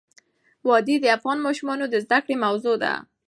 وادي د افغان ماشومانو د زده کړې موضوع ده.